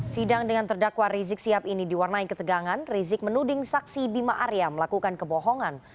sidang dengan terdakwa rizik sihab ini diwarnai ketegangan rizik menuding saksi bima arya melakukan kebohongan